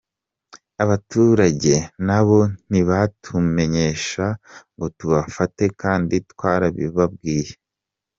Abaturage nabo ntibatumenyesha ngo tubafate kandi twarabibabwiye.